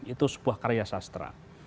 itu sebuah karya sastra